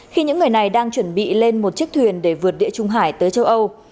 khi những người này đang chuẩn bị lên một chiếc thuyền để vượt địa trung hải tới châu âu